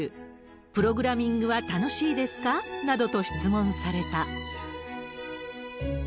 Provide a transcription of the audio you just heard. プログラミングは楽しいですか？などと質問された。